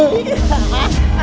rnb tunggu aku